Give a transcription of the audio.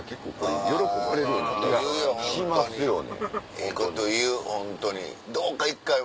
ええこと言うホントに。